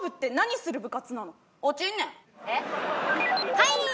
はい！